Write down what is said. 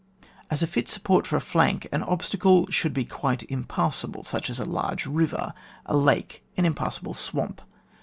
As a fit support for a flank, an obstacle should be quite impassable such as a large river, a lake, an impass able swamp.